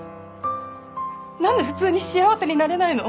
なんで普通に幸せになれないの？